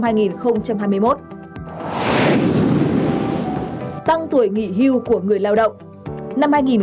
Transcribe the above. tăng tuổi nghỉ hưu của người lao động